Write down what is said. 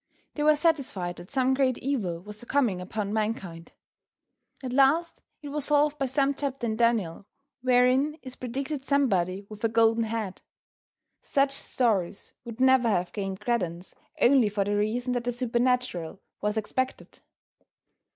They were satisfied that some great evil was coming upon mankind. At last it was solved by some chapter in Daniel wherein is predicted somebody with a golden head. Such stories would never have gained credence only for the reason that the supernatural was expected.